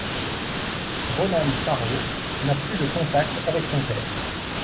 Ronan Farrow n'a plus de contact avec son père.